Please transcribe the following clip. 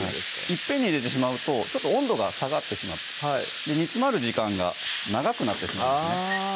いっぺんに入れてしまうとちょっと温度が下がってしまって煮詰まる時間が長くなってしまうんですね